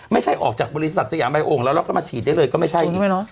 ไม่ใช่ออกจากบริษัทสยามใหม่องแล้วเราก็มาฉีดได้เลยก็ไม่ใช่